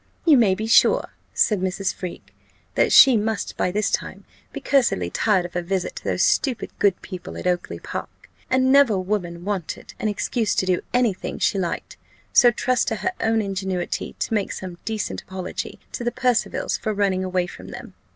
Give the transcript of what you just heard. "You may be sure," said Mrs. Freke, "that she must by this time be cursedly tired of her visit to those stupid good people at Oakly park, and never woman wanted an excuse to do any thing she liked: so trust to her own ingenuity to make some decent apology to the Percivals for running away from them.